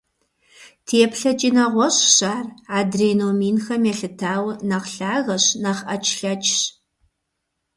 ТеплъэкӀи нэгъуэщӀщ ар, адрей номинхэм елъытауэ, нэхъ лъагэщ, нэхъ Ӏэчлъэчщ.